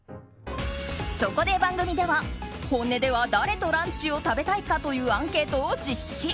そこで番組では、本音では誰とランチを食べたいかというアンケートを実施。